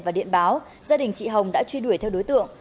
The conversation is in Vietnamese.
và điện báo gia đình chị hồng đã truy đuổi theo đối tượng